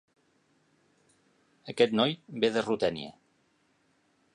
Aquest noi ve de Rutènia.